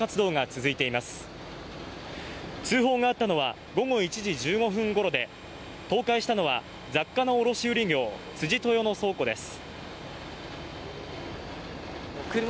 通報があったのは午後１時１５分ごろで倒壊したのは雑貨の卸売業、辻豊の倉庫です。